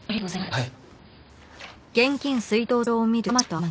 はい。